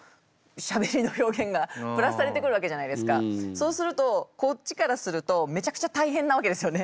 そうするとこっちからするとめちゃくちゃ大変なわけですよね。